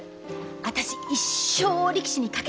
私一生を力士にかける。